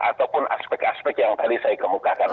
ataupun aspek aspek yang tadi saya kemukakan